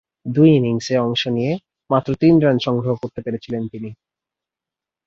দুই ইনিংসে অংশ নিয়ে মাত্র তিন রান সংগ্রহ করতে পেরেছিলেন তিনি।